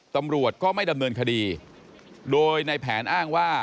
ตำรวจก็ไม่ดำเนินคดีโดยในแผนอ้างว่า